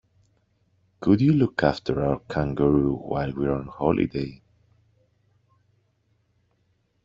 Could you look after our kangaroo while we're on holiday?